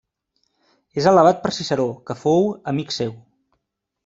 És alabat per Ciceró que fou amic seu.